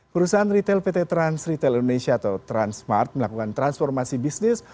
perusahaan retail pt transretail indonesia atau transsmart melakukan transformasi bisnis